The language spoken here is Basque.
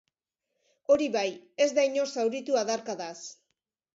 Hori bai, ez da inor zauritu adarkadaz.